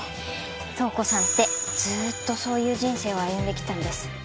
透子さんってずっとそういう人生を歩んできたんです。